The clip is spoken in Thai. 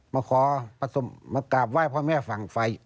มาขอมากราบไหว้พ่อแม่ฝั่งไฟ